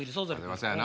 そうやな。